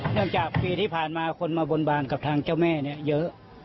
จากปีที่ผ่านมาคนมาบนบานกับทางเจ้าแม่เนี่ยเยอะ